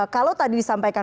kalau tadi disampaikan